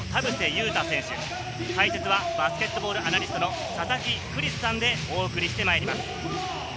勇太選手、解説はバスケットボールアナリストの佐々木クリスさんでお送りしてまいります。